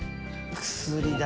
薬だ。